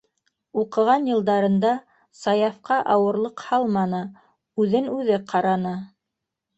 Уҡыған йылдарында Саяфҡа ауырлыҡ һалманы, үҙен-үҙе ҡараны.